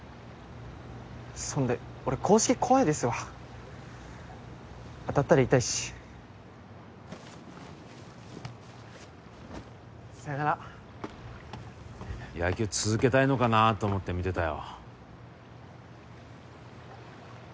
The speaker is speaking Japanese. そんで俺硬式怖いですわ当たったら痛いしさよなら野球続けたいのかなと思って見てたよ